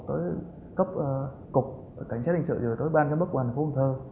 tới cấp cục tỉnh trái đình sự rồi tới ban chấm bất quản phố hồ thơ